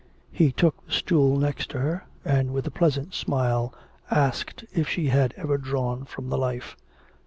He took the stool next her, and with a pleasant smile asked if she had ever drawn from the life.